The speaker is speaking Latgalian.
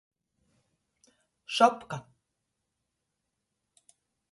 Šopka.